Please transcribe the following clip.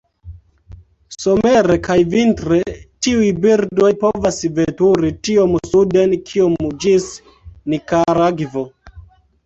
Somere kaj vintre, tiuj birdoj povas veturi tiom suden kiom ĝis Nikaragvo.